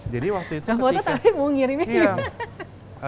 jadi waktu itu ketika